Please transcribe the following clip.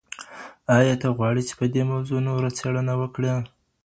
ایا ته غواړې چي په دې موضوع نوره څېړنه وکړې؟